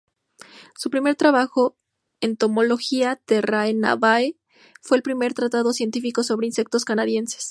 Su primer trabajo, "Entomología Terrae Novae" fue el primer tratado científico sobre insectos canadienses.